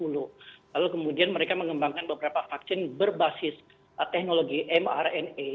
lalu kemudian mereka mengembangkan beberapa vaksin berbasis teknologi mrna